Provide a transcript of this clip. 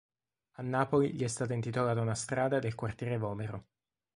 A Napoli gli è stata intitolata una strada del quartiere Vomero.